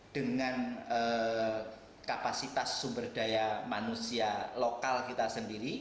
dengan kapasitas sumber daya manusia lokal kita sendiri